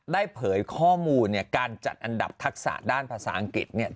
เผยข้อมูลเนี่ยการจัดอันดับทักษะด้านภาษาอังกฤษเนี่ย